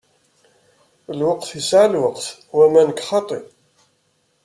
Lweqt yesεa lweqt wamma nekk xaṭi.